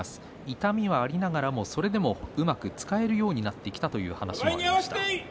痛みがありながら、それでもうまく使えるようになってきたという話をしていました。